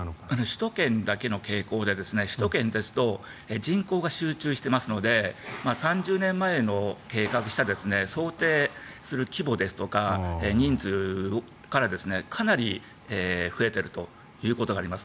首都圏だけの傾向でして首都圏ですと人口が集中していますので３０年前に計画した想定する規模ですとか人数からかなり増えているということがあります。